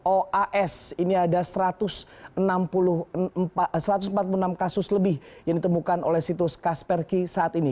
oas ini ada satu ratus empat puluh enam kasus lebih yang ditemukan oleh situs kasperki saat ini